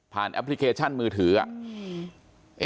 แอปพลิเคชันมือถืออ่ะ